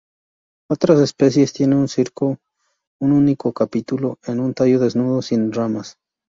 Otras especies tienen un único capítulo en un tallo desnudo sin ramas.